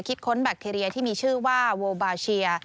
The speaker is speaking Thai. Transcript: ค้นแบคทีเรียที่มีชื่อว่าโวบาเชีย